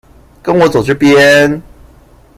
跟我走這邊